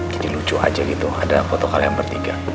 jadi lucu aja gitu ada foto kalian bertiga